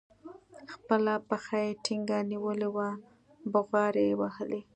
خپله پښه يې ټينګه نيولې وه بوغارې يې وهلې.